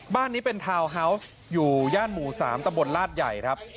บ้านนี้เป็นทาวน์ฮาวส์อยู่ย่านหมู่๓ตะบนลาดใหญ่ครับ